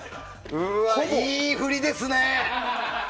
いい振りですね。